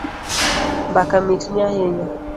Mbaka mitni ahinya